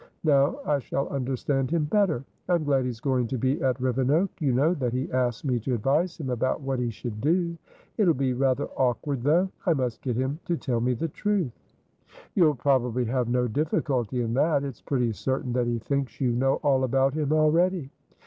Now I shall understand him better. I'm glad he's going to be at Rivenoak. You know that he asked me to advise him about what he should do. It'll be rather awkward, though. I must get him to tell me the truth." "You'll probably have no difficulty in that. It's pretty certain that he thinks you know all about him already.